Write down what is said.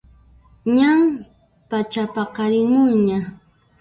Ñan pachapaqarimunqaña